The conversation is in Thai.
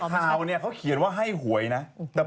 เฮียอ่าเฮียอะไรก็ได้